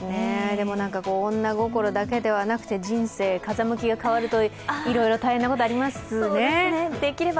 女心だけではなくて人生風向きが変わるといろいろ大変なこと、ありますね。